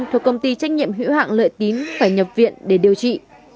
thuộc công ty trách nhiệm hữu hạng lợi tín phải nhập viện để điều trị